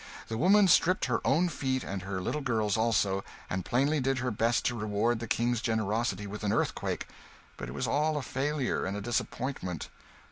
The woman stripped her own feet and her little girl's also, and plainly did her best to reward the King's generosity with an earthquake, but it was all a failure and a disappointment.